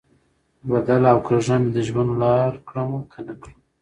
بدله او کږه مې د ژوند لار کړمه، که نه کړم؟